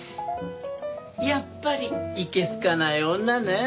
やっぱりいけすかない女ねえ。